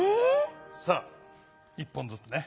さあ１本ずつね。